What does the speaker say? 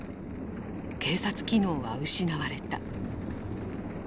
警察機能は失われた。